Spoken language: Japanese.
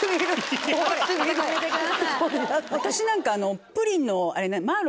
私なんかプリンの。